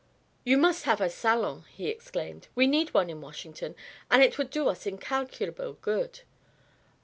"You must have a salon" he exclaimed. "We need one in Washington, and it would do us incalculable good.